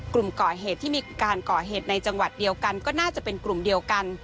กลุ่มก่อเหตุที่มีการก่อเหตุในจังหวัดเดียวกันก็น่าจะเป็นกลุ่มเดียวกัน